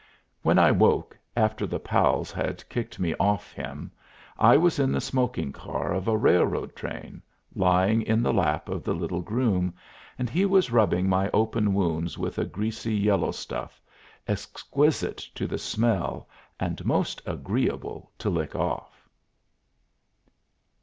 When I woke, after the pals had kicked me off him, I was in the smoking car of a railroad train, lying in the lap of the little groom, and he was rubbing my open wounds with a greasy yellow stuff, exquisite to the smell and most agreeable to lick off.